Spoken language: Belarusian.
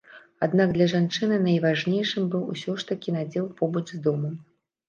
Аднак для жанчыны найважнейшым быў усё ж такі надзел побач з домам.